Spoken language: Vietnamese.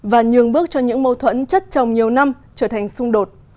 và nhường bước cho những mâu thuẫn chất chồng nhiều năm trở thành xung đột